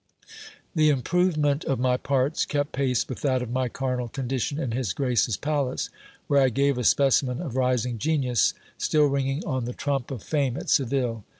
The improvement of my parts kept pace with that of my carnal condition in his grace's palace : where I gave a specimen of rising genius, still ringing on the trump of fame at Seville.